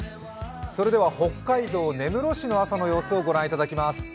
北海道根室市の朝の様子をご覧いただきます。